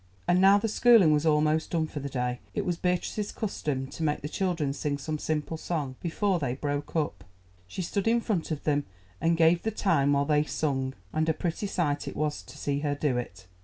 And now the schooling was almost done for the day. It was Beatrice's custom to make the children sing some simple song before they broke up. She stood in front of them and gave the time while they sung, and a pretty sight it was to see her do it.